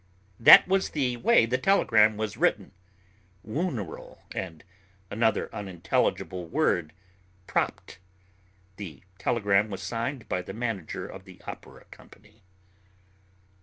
That was the way the telegram was written "wuneral" and another unintelligible word "propt." The telegram was signed by the manager of the opera company.